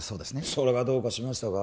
それがどうかしましたか？